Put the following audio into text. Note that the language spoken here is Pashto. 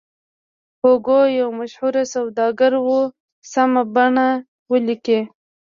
هوګو یو مشهور سوداګر و سمه بڼه ولیکئ.